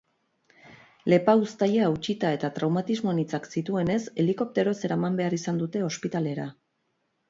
Lepauztaia hautsita eta traumatismo anitzak zituenez, helikopteroz eraman behar izan dute ospitalera.